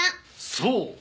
そう！